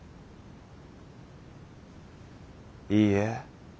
いいえ。